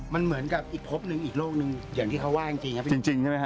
มันเหมือนกับอีกพบหนึ่งอีกโลกหนึ่งอย่างที่เขาว่าจริงครับพี่จริงใช่ไหมฮ